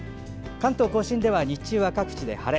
関東・甲信では日中は各地で晴れ。